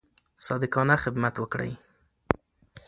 صادقانه خدمت وکړئ.